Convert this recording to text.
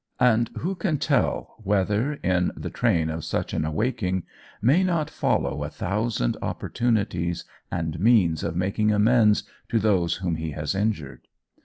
And who can tell whether, in the train of such an awaking, may not follow a thousand opportunities and means of making amends to those whom he has injured?